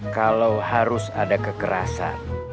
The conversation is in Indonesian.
kalau harus ada kekerasan